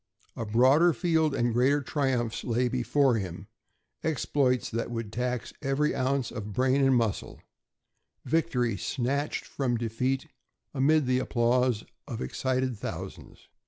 A broader field and greater triumphs lay before him exploits that would tax every ounce of brain and muscle; victory snatched from defeat amid the applause of excited thousands.